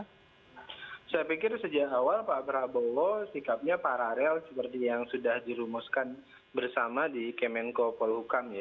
saya pikir sejak awal pak prabowo sikapnya paralel seperti yang sudah dirumuskan bersama di kemenko polhukam ya